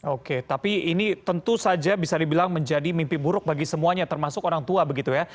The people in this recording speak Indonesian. oke tapi ini tentu saja bisa dibilang menjadi mimpi buruk bagi semuanya termasuk orang tua begitu ya